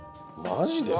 マジで？